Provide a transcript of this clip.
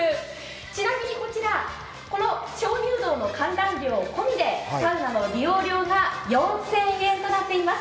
ちなみにこちら、この鍾乳洞の観覧料込みでサウナの利用料が４０００円となっております。